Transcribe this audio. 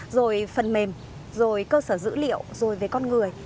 rồi phần mềm rồi cơ sở dữ liệu rồi về con người